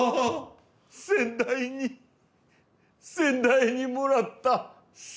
先代に先代にもらった聖丼が！